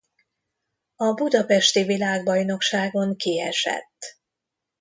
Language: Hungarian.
A budapesti világbajnokságon kiesett.